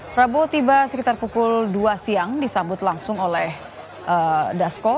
prabowo tiba sekitar pukul dua siang disambut langsung oleh dasko